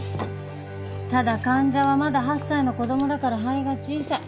ただ患者はまだ８歳の子供だから肺が小さい。